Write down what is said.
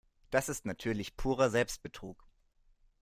Das ist natürlich purer Selbstbetrug.